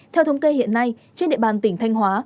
theo thống kê hiện nay trên địa bàn tỉnh thanh hóa